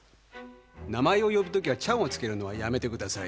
名前を呼ぶときに、ちゃんをつけるのはやめてください。